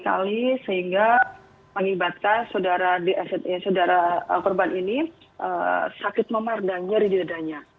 dekali kali sehingga mengibatkan saudara korban ini sakit memardangnya dari dadanya